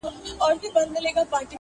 ته خپل قاتل ته ګرېوان څنګه څیرې؟.!